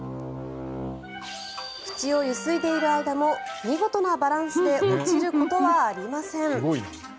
口をゆすいでいる間も見事なバランスで落ちることはありません。